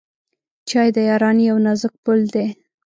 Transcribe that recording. چای د یارانۍ یو نازک پُل دی.